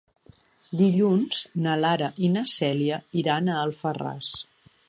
Dilluns na Lara i na Cèlia iran a Alfarràs.